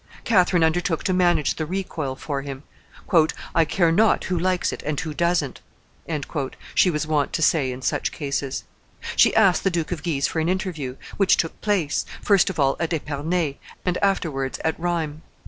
Catherine undertook to manage the recoil for him. "I care not who likes it and who doesn't," she was wont to say in such cases. She asked the Duke of Guise for an interview, which took place, first of all at Epernay, and afterwards at Rheims.